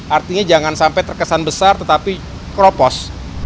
artinya jangan sampai terkesan besar tetapi keropos